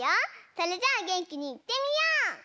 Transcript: それじゃあげんきにいってみよう！